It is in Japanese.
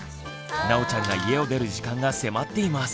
なおちゃんが家を出る時間が迫っています。